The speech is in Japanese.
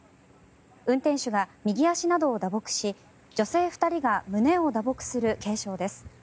運転手が右足などを打撲し女性２人が胸を打撲する軽傷です。